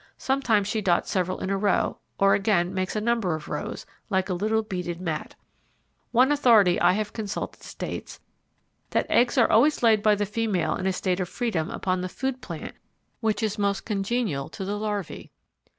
Sometimes she dots several in a row, or again makes a number of rows, like a little beaded mat. One authority I have consulted states that "The eggs are always laid by the female in a state of freedom upon the food plant which is most congenial to the larvae."